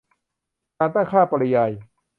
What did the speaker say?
การตั้งค่าปริยาย